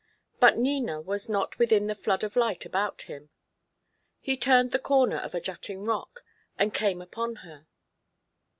But Nina was not within the flood of light about him. He turned the corner of a jutting rock, and came upon her.